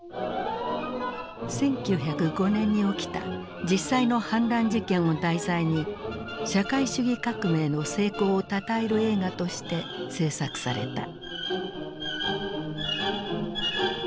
１９０５年に起きた実際の反乱事件を題材に社会主義革命の成功をたたえる映画として製作された。